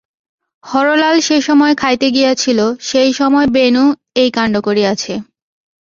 হরলাল সে সময় খাইতে গিয়াছিল সেই সময় বেণু এই কাণ্ড করিয়াছে।